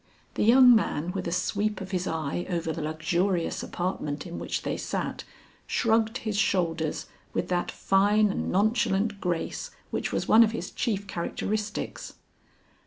The young man with a sweep of his eye over the luxurious apartment in which they sat, shrugged his shoulders with that fine and nonchalant grace which was one of his chief characteristics.